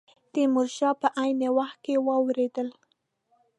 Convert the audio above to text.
تیمور شاه په عین وخت کې واورېدل.